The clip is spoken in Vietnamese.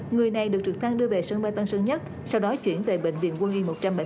người này được trực thăng đưa về sân bay tân sơn nhất sau đó chuyển về bệnh viện quân y một trăm bảy mươi tám